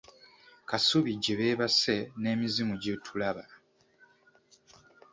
Kasubi gye beebase n’emizimu gitulaba.